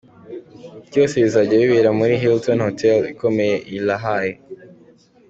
Byose bizajya bibera muri Hilton Hotel ikomeye i La Haye.